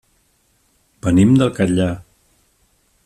Venim del Catllar.